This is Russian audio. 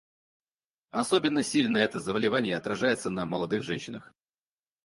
Особенно сильно это заболевание отражается на молодых женщинах.